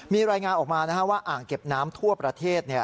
มีรายงานออกมาว่าอ่างเก็บน้ำทั่วประเทศ